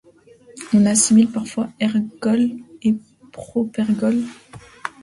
On assimile parfois ergols et propergols.